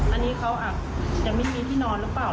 อันนี้อาจจะไม่มีที่นอนหรือเปล่า